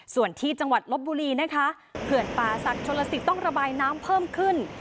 ส่วนที่จังหวัดลบบุรีนะคะเขื่อนป่าศักดิชนลสิทธิ์ต้องระบายน้ำเพิ่มขึ้น